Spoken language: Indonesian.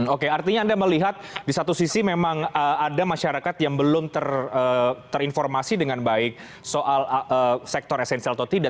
oke artinya anda melihat di satu sisi memang ada masyarakat yang belum terinformasi dengan baik soal sektor esensial atau tidak